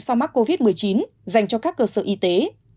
sau mắc covid một mươi chín dành cho các cơ sở y tế